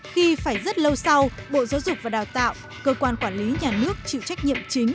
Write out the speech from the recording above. khi phải rất lâu sau bộ giáo dục và đào tạo cơ quan quản lý nhà nước chịu trách nhiệm chính